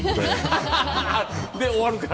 で終わるから？